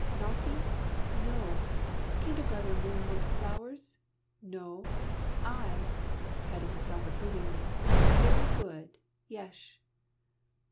Naughty? No. Kindergarten room want flowers? No. I" (patting herself approvingly) "very good; yesh."